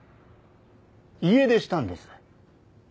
家出したんです。